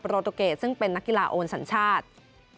โตเกตซึ่งเป็นนักกีฬาโอนสัญชาติ